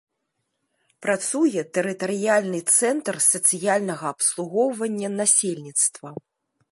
Працуе тэрытарыяльны цэнтр сацыяльнага абслугоўвання насельніцтва.